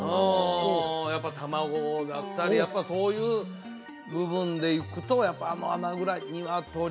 やっぱり卵だったりやっぱりそういう部分でいくとやっぱりあの穴ぐらいニワトリ